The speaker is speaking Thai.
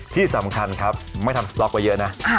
ที่สำคัญครับไม่ทำสต๊อกไว้เยอะนะ